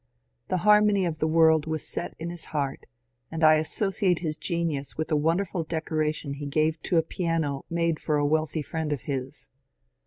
The harmony of the world was set in his heart, and I associate his genius with a wonderful decoration he gave to a piano made for a wealthy friend of his.